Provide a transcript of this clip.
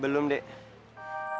aku mau nganterin